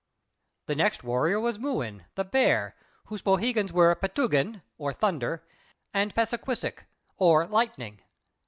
The next warrior was Mūin, the Bear, whose poohegans were "Petāgŭn," or Thunder, and "Pessāquessŭk," or Lightning.